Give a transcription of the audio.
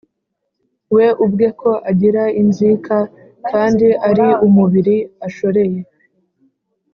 We ubwe, ko agira inzika, kandi ari umubiri ashoreye,